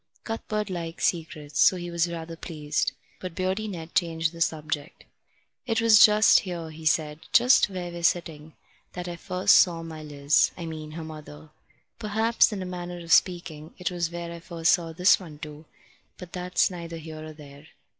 Cuthbert liked secrets, so he was rather pleased. But Beardy Ned changed the subject. "It was just here," he said, "just where we're sitting, that I first saw my Liz I mean her mother. Perhaps, in a manner of speaking, it was where I first saw this one too, but that's neither here nor there.